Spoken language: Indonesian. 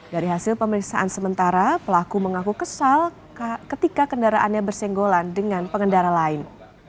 dari hasil pemeriksaan sementara pelaku mengaku kesal ketika kendaraannya bersenggolan dengan pengendara lain